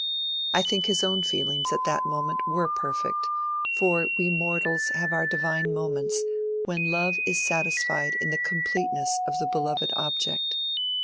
I think his own feelings at that moment were perfect, for we mortals have our divine moments, when love is satisfied in the completeness of the beloved object.